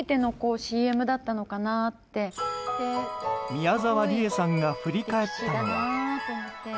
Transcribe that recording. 宮沢りえさんが振り返ったのは。